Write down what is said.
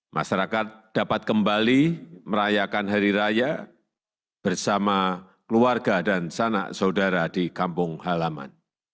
masyarakat dapat kembali merayakan hari raya bersama keluarga dan sanak saudara di kampung halaman